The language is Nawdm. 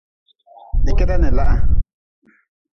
Ni keda ni laha.